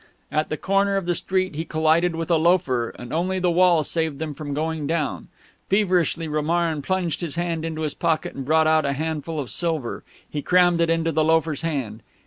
At the corner of the street he collided with a loafer, and only the wall saved them from going down. Feverishly Romarin plunged his hand into his pocket and brought out a handful of silver. He crammed it into the loafer's hand.